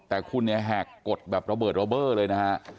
แต่คุณแหกกดแบบระเบิดรอเบอร์เลยนะคะ